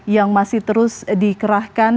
yang masih terus dikerahkan